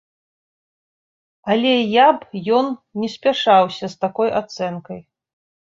Але я б ён не спяшаўся з такой ацэнкай.